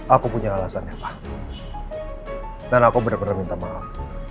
aku punya alasannya apa dan aku benar benar minta maaf